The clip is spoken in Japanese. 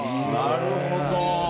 なるほど。